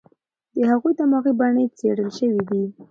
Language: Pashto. د هغوی دماغي بڼې څېړل شوې دي.